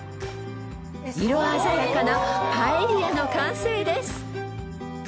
［色鮮やかなパエリアの完成です］